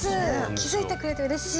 気付いてくれてうれしい。